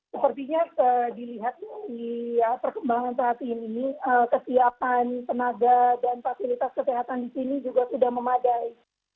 sepertinya dilihat di perkembangan saat ini kesiapan tenaga dan fasilitas kesehatan di sini juga sudah memadai